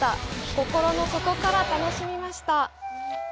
心の底から楽しみました！